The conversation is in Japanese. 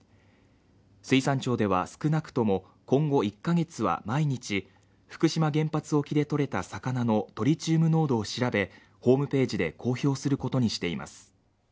水産庁では少なくとも今後１か月は、毎日福島原発沖でとれた魚のトリチウム濃度を調べホームページで公表することにしています。